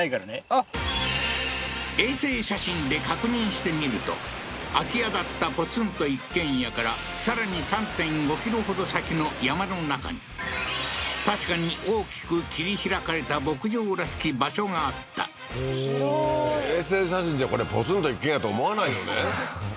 あっ衛星写真で確認してみると空き家だったポツンと一軒家からさらに３．５ｋｍほど先の山の中に確かに大きく切り開かれた牧場らしき場所があったおおー広ーい衛星写真じゃこれポツンと一軒家と思わないよね